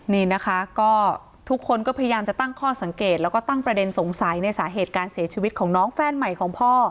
นี่นะคะก็ทุกคนก็พยายามจะตั้งข้อสังเกตแล้วก็ตั้งประเด็นสงสัยในสาเหตุการเสียชีวิตของน้องแฟนใหม่ของพ่อ